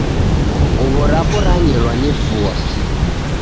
Nguw'o rapo ranyelwa nimvua